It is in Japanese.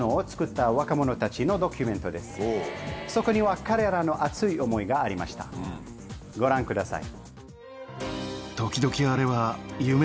そこには彼らの熱い思いがありましたご覧ください。